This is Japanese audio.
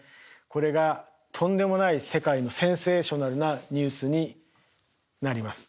これがとんでもない世界のセンセーショナルなニュースになります。